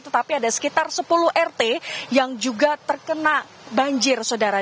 tetapi ada sekitar sepuluh rt yang juga terkena banjir saudara